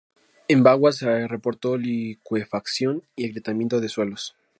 En Bagua se reportó licuefacción y agrietamiento de suelos.